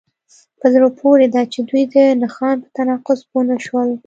په زړه پورې ده چې دوی د نښان په تناقض پوه نشول